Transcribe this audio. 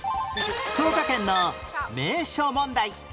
福岡県の名所問題